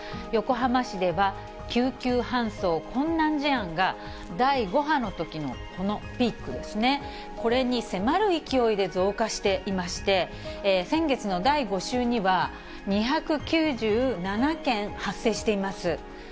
横浜市では、救急搬送困難事案が第５波のときのこのピークですね、これに迫る勢いで増加していまして、先月の第５週には２９７件発生しています。